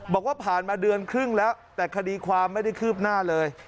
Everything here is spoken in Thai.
บอกว่าผ่านมาเดือนครึ่งแล้วแต่คดีความไม่ได้คืบหน้าเลย